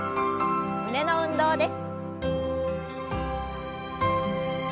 胸の運動です。